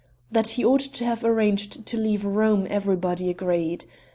That he ought to have arranged to leave Rome everybody agreed.